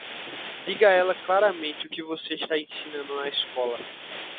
Diga a ela claramente o que você está ensinando na escola.